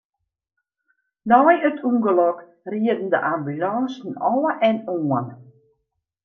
Nei it ûngelok rieden de ambulânsen ôf en oan.